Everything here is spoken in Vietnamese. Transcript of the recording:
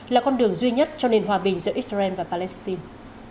là con đường duy nhất cho nền hòa bình giữa israel và palestine